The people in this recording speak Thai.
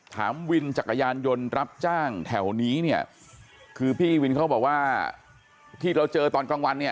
ถามวินจักรยานยนต์รับจ้างแถวนี้เนี่ยคือพี่วินเขาบอกว่าที่เราเจอตอนกลางวันเนี่ย